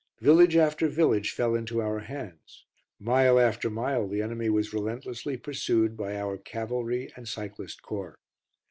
Village after village fell into our hands; mile after mile the enemy was relentlessly pursued by our cavalry and cyclist corps.